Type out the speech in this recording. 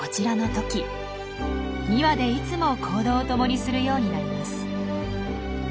２羽でいつも行動を共にするようになります。